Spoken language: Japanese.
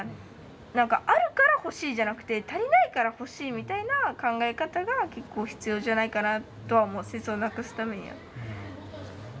何か「あるから欲しい」じゃなくて「足りないから欲しい」みたいな考え方が結構必要じゃないかなとは思う戦争をなくすためには。